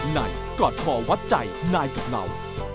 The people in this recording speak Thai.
นายกอดคอวัดใจนายสำเนา